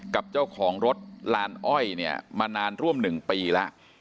กับเจ้าของรถลานอ้อยเนี่ยมานานร่วม๑ปีแล้ว